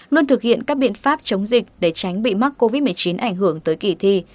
luôn thực hiện các biện pháp chống dịch để tránh bị mắc covid một mươi chín ảnh hưởng tới kỳ thi